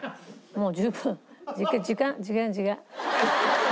もう十分。